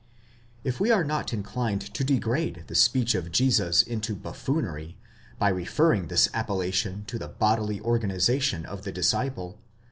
If we are not inclined to degrade the speech of Jesus into buffoonery, by referring this appellation to the bodily organization of the disciple